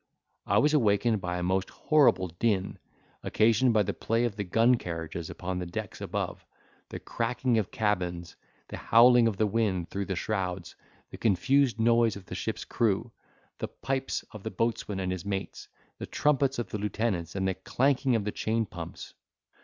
I was awakened by a most horrible din, occasioned by the play of the gun carriages upon the decks above, the cracking of cabins, the howling of the wind through the shrouds, the confused noise of the ship's crew, the pipes of the boatswain and his mates, the trumpets of the lieutenants, and the clanking of the chain pumps.